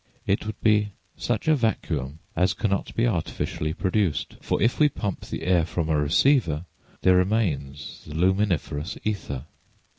It would be such a vacuum as cannot be artificially produced; for if we pump the air from a receiver there remains the luminiferous ether.